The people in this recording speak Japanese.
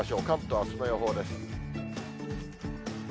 関東、あすの予報です。